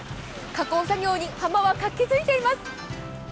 加工作業に浜は活気づいています。